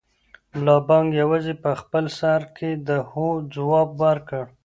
ملا بانګ یوازې په خپل سر کې د هو ځواب ورکړ.